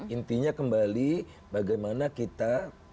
intinya kembali bagaimana kita